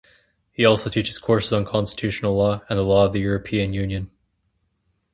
He also teaches courses on constitutional law and the law of the European Union.